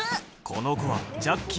この子はジャッキーだ。